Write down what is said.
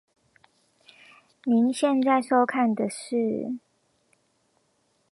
您現在收看的是